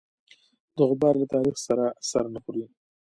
د غبار له تاریخ سره سر نه خوري.